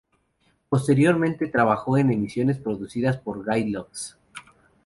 Posteriormente trabajó en emisiones producidas por Guy Lux.